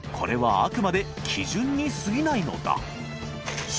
あくまで基準にすぎないのだ磴